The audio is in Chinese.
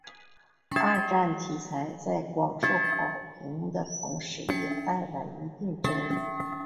二战题材在广受好评的同时也带来一定争议。